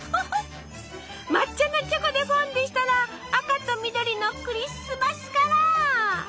抹茶のチョコでフォンデュしたら赤と緑のクリスマスカラー！